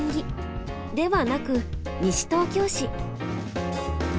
ではなく西東京市。